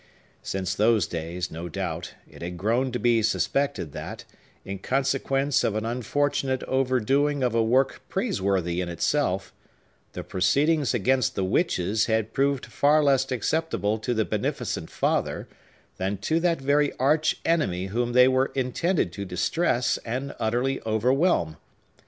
Since those days, no doubt, it had grown to be suspected that, in consequence of an unfortunate overdoing of a work praiseworthy in itself, the proceedings against the witches had proved far less acceptable to the Beneficent Father than to that very Arch Enemy whom they were intended to distress and utterly overwhelm.